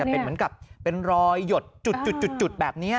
อารมณ์ไม่ดีเพราะว่าอะไรฮะ